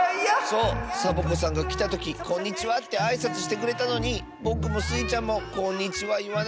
そうサボ子さんがきたとき「こんにちは」ってあいさつしてくれたのにぼくもスイちゃんも「こんにちは」いわなかったッス。